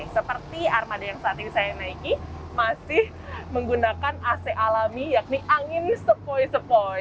seperti armada yang saat ini saya naiki masih menggunakan ac alami yakni angin sepoi sepoi